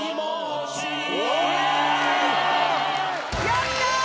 やったー！